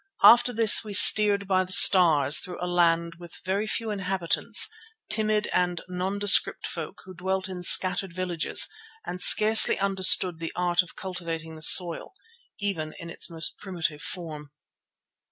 After this we steered by the stars through a land with very few inhabitants, timid and nondescript folk who dwelt in scattered villages and scarcely understood the art of cultivating the soil, even in its most primitive form.